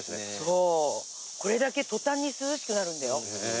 そうこれだけ途端に涼しくなるんだよ。